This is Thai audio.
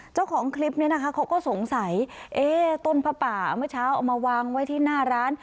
เจ้าของคลิปนี้นะคะเขาก็สงสัยเอ๊ต้นผ้าป่าเมื่อเช้าเอามาวางไว้ที่หน้าร้าน